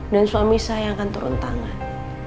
dan suami saya yang akan turun tangan